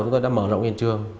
chúng tôi đã mở rộng hiện trường